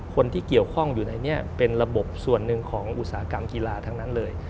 คนที่เกี่ยวข้องอยู่ในนี้เป็นระบบส่วนหนึ่งของอุตสาหกรรมกีฬาทั้งนั้นเลย